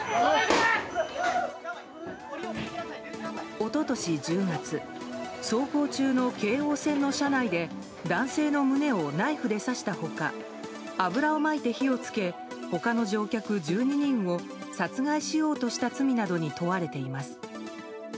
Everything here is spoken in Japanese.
一昨年１０月走行中の京王線の車内で男性の胸をナイフで刺した他油をまいて火をつけ他の乗客１２人を殺害しようとした罪などに問われています。